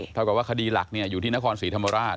ถ้าบอกว่าคดีหลักเนี่ยอยู่ที่นครศรีธรรมราช